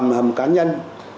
một hầm cá nhân